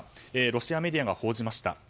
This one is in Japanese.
ロシアメディアが報じました。